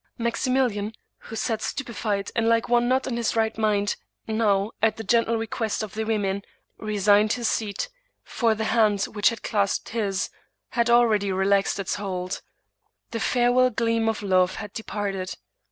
Maximilian, who sat stupefied and like one not in his right mind, now, at the gentle request of the women, resigned his seat, for the hand which had clasped his had already relaxed its hold; the farewell gleam of love had departed.